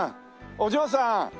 お嬢さん！